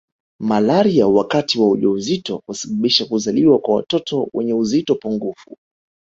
Malaria wakati wa ujauzito husababisha kuzaliwa kwa watoto wenye uzito pungufu